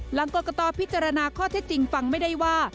หลังกรกตพิจารณาข้อเท็จจริงฟังไม่ได้ว่า